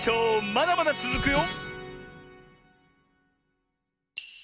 まだまだつづくよ！